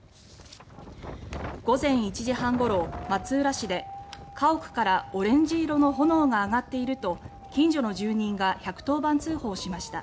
午前１時半ごろ松浦市で「家屋からオレンジ色の炎が上がっている」と近所の住人が１１０番通報しました。